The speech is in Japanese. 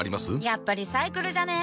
やっぱリサイクルじゃね？